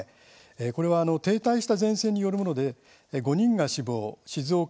これは停滞した前線によるもので５人が死亡静岡、